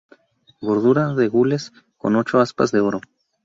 Bordura de gules con ocho aspas de oro.